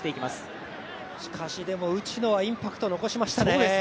しかし、でも内野はインパクト残しましたね。